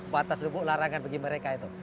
batas lubuk larangan bagi mereka itu